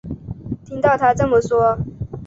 听到她这么说